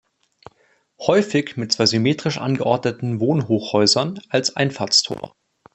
Häufig mit zwei symmetrisch angeordneten Wohnhochhäusern, als „Einfahrtstor“.